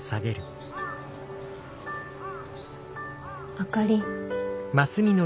あかり。